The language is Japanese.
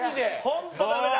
ホントダメだ。